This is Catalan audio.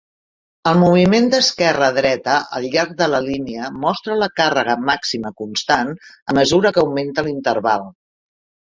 El moviment d'esquerra a dreta al llarg de la línia mostra la càrrega màxima constant a mesura que augmenta l'interval.